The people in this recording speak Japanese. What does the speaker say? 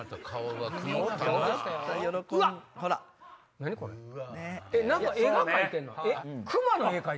何か絵が描いてない？